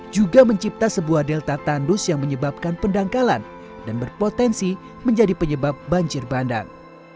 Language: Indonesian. juga mencipta sebuah delta tandus yang menyebabkan pendangkalan dan berpotensi menjadi penyebab banjir bandang